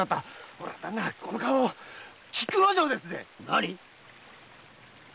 ほらこの顔菊之丞ですぜ！